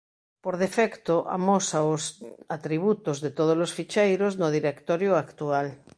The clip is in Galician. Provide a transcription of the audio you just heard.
Por defecto amosa os atributos de tódolos ficheiros no directorio actual.